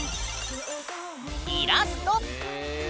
イラスト！